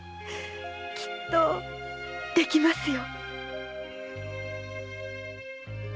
きっとできますよ。